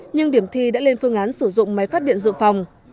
nhưng điểm thi đã lên phương án sử dụng máy phát điện dự phòng